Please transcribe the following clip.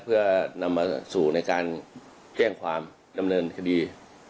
เพื่อนำมาสู่ในการแจ้งความดำเนินคดี